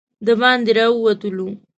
د باندې راووتلو.